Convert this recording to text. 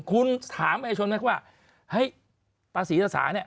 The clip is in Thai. คุณถามให้ชนนะครับว่าประศรีรษาเนี่ย